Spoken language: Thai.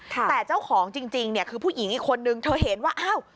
แต่เจ้าของจริงเนี่ยคือผู้หญิงอีกคนนึงเธอเห็นว่าอ้าว